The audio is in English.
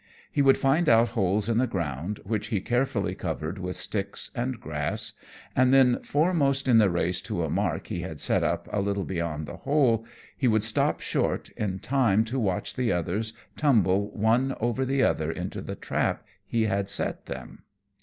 He would find out holes in the ground, which he carefully covered with sticks and grass, and then foremost in the race to a mark he had set up a little beyond the hole, he would stop short, in time to watch the others tumble one over the other into the trap he had set them.